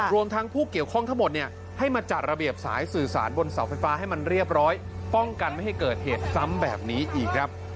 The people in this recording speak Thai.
รวมทั้งผู้เกี่ยวข้องทั้งหมดเนี่ยให้มาจัดระเบียบสายสื่อสารบนเสาไฟฟ้าให้มันเรียบร้อยป้องกันไม่ให้เกิดเหตุซ้ำแบบนี้อีกครับ